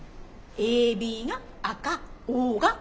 ＡＢが赤Ｏが青。